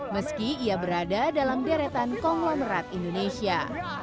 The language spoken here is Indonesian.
meski ia berada dalam deretan konglomerat indonesia